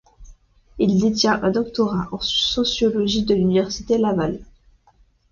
Il détient un doctorat en sociologie de l'Université Laval.